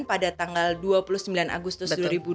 pada tanggal dua puluh sembilan agustus dua ribu dua puluh